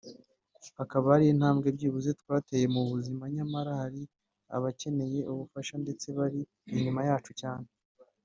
hakaba hari n’intambwe byibuze twateye mu buzima nyamara hari abakeneye ubufasha ndetse bari inyuma yacu cyane